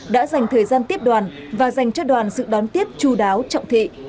đã dành thời gian tiếp đoàn và dành cho đoàn sự đón tiếp chú đáo trọng thị